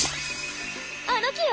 あの木よ！